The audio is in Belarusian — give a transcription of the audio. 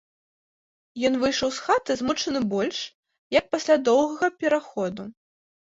Ён выйшаў з хаты змучаны больш, як пасля доўгага пераходу.